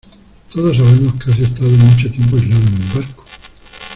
todos sabemos que has estado mucho tiempo aislado en un barco.